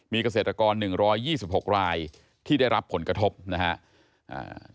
มีเกษตรกร๑๒๖รายที่ได้รับผลกระทบนะครับ